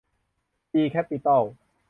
จี แคปปิตอล